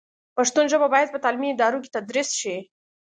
پښتو ژبه باید په تعلیمي ادارو کې تدریس شي.